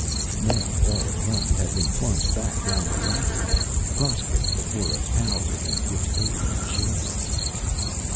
Now all at once it had been plunged back down the ladder again, prostrate before a Power against which they were children.